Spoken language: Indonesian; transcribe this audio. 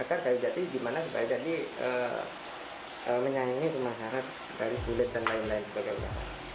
akar kayu jati gimana supaya jadi menyanyi ke masyarakat dari kulit dan lain lain sebagainya